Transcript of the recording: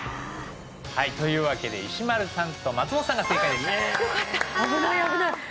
はいというわけで石丸さんと松本さんが正解ですねあよかった